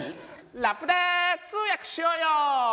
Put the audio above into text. ラップで通訳しようよ！